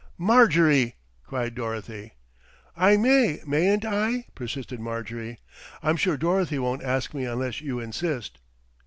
"Marjorie!" cried Dorothy. "I may, mayn't I?" persisted Marjorie. "I'm sure Dorothy won't ask me unless you insist."